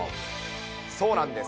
そうなんです。